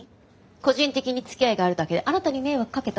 個人的につきあいがあるだけであなたに迷惑かけた？